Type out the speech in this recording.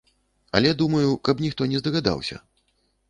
Але думаю, каб ніхто не здагадаўся!